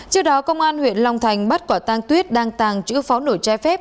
trước đó công an huyện long thành bắt quả tang tuyết đăng tàng chữ pháo nổi tre phép